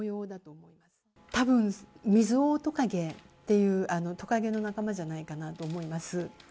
たぶん、ミズオオトカゲって、トカゲの仲間じゃないかなと思います。